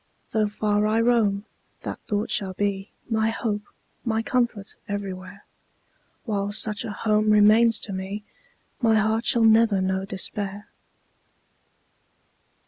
Though far I roam, that thought shall be My hope, my comfort everywhere; While such a home remains to me, My heart shall never know despair.